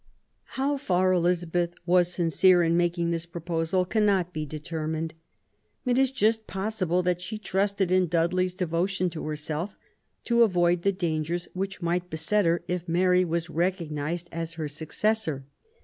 How far Eliza beth was sincere in making this proposal cannot be determined. It is just possible that she trusted in Dudley's devotion to herself to avoid the dangers which might beset her if Mary was recognised as her successor.